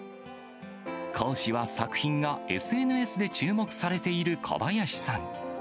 講師は作品がＳＮＳで注目されている小林さん。